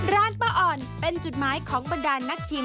ร้านป้าอ่อนเป็นจุดหมายของบรรดานนักชิม